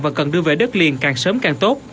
và cần đưa về đất liền càng sớm càng tốt